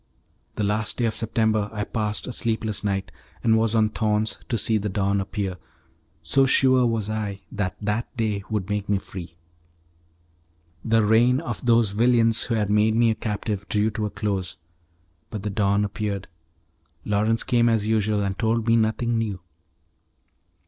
The last day of September I passed a sleepless night, and was on thorns to see the dawn appear, so sure was I that that day would make me free. The reign of those villains who had made me a captive drew to a close; but the dawn appeared, Lawrence came as usual, and told me nothing new.